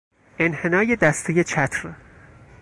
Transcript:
انحنای دستهی چتر